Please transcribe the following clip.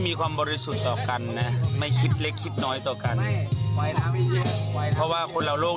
เพราะเราเริ่มจะเป็นโรคซึมเศร้าแล้ว